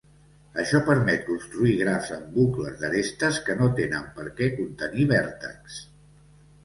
Això permet construir grafs amb bucles d'arestes, que no tenen per què contenir vèrtexs.